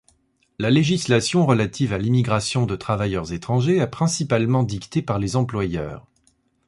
La législation relative à l'immigration de travailleurs étrangers est principalement dictée par les employeurs.